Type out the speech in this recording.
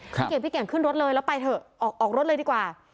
พี่เก่งพี่เก่งขึ้นรถเลยแล้วไปเถอะออกรถเลยดีกว่า